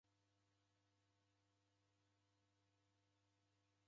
Nalaghashire magome mengi.